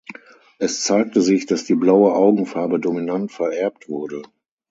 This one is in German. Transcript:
Es zeigte sich, dass die blaue Augenfarbe dominant vererbt wurde.